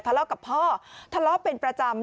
ทะเลาะกับพ่อทะเลาะเป็นประจำ